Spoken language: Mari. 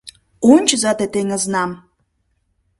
Ончыза те теҥызнам: